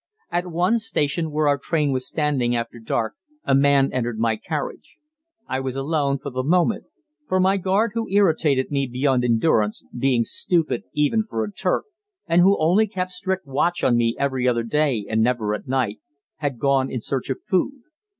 At one station where our train was standing after dark a man entered my carriage. I was alone for the moment; for my guard, who irritated me beyond endurance, being stupid even for a Turk, and who only kept strict watch on me every other day and never at night, had gone in search of food.